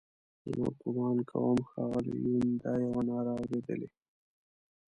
زه ګومان کوم ښاغلي یون دا یوه ناره اورېدلې.